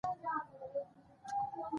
کريم ته يې وويل له هر ځايه چې پېدا کوې.